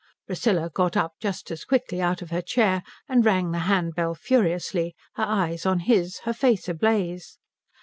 Priscilla got up just as quickly out of her chair and rang the handbell furiously, her eyes on his, her face ablaze.